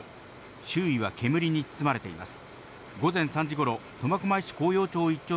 周囲は煙に包まれています。